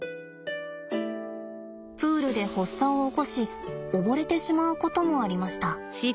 プールで発作を起こし溺れてしまうこともありました。